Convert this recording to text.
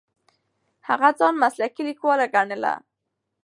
هغه ځان مسلکي لیکواله ګڼله.